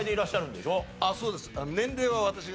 そうです。